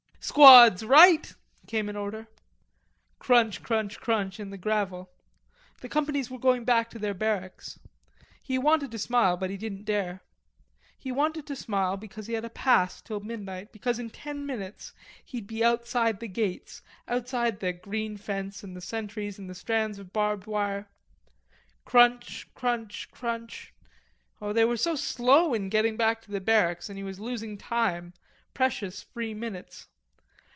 "Squads right!" came an order. Crunch, crunch, crunch in the gravel. The companies were going back to their barracks. He wanted to smile but he didn't dare. He wanted to smile because he had a pass till midnight, because in ten minutes he'd be outside the gates, outside the green fence and the sentries and the strands of barbed wire. Crunch, crunch, crunch; oh, they were so slow in getting back to the barracks and he was losing time, precious free minutes.